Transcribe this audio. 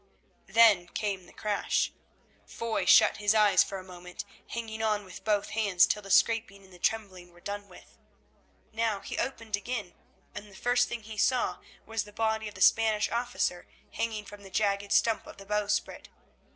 Then came the crash. Foy shut his eyes for a moment, hanging on with both hands till the scraping and the trembling were done with. Now he opened them again, and the first thing he saw was the body of the Spanish officer hanging from the jagged stump of the bowsprit.